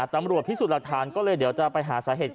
ตำรวจพิสูจน์หลักฐานก็เลยเดี๋ยวจะไปหาสาเหตุ